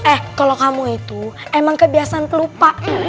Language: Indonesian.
eh kalau kamu itu emang kebiasaan pelupa